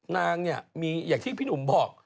นางเนี่ยมีอย่างที่พี่หนุ่มบอก